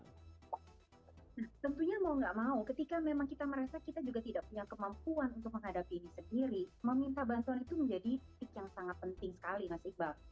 nah tentunya mau nggak mau ketika memang kita merasa kita juga tidak punya kemampuan untuk menghadapi ini sendiri meminta bantuan itu menjadi titik yang sangat penting sekali mas iqbal